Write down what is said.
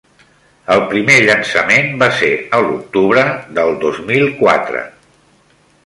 El primer llançament va ser a l'octubre del dos mil-quatre